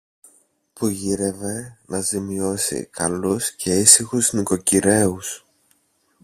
που γύρευε να ζημιώσει καλούς και ήσυχους νοικοκυρέους;